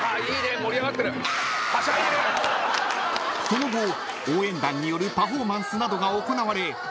［その後応援団によるパフォーマンスなどが行われ